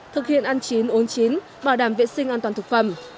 thực hiện ăn chín uống chín bảo đảm vệ sinh an toàn thực phẩm